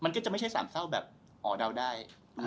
มันก็จะไม่ใช่สามเศร้าแบบอ๋อเดาได้